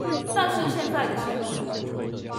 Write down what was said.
但是現在的新聞